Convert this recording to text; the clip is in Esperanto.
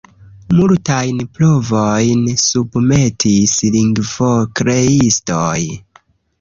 Multajn provojn submetis lingvokreistoj.